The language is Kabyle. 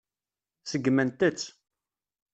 Seggment-tt.